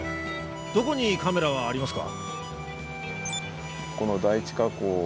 どこにカメラはありますか？